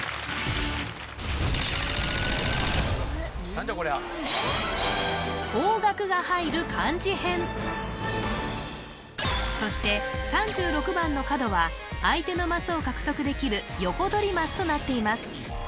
何じゃこりゃそして３６番の角は相手のマスを獲得できるヨコドリマスとなっています